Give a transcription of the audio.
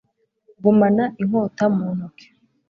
Gumana inkota mu ntoki